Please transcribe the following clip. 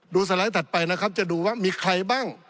สไลด์ถัดไปนะครับจะดูว่ามีใครบ้าง